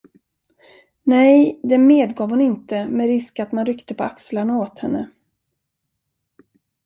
Nej, det medgav hon inte med risk att man ryckte på axlarna åt henne.